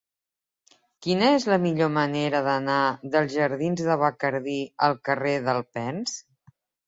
Quina és la millor manera d'anar dels jardins de Bacardí al carrer d'Alpens?